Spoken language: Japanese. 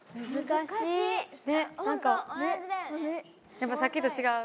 やっぱさっきとちがう？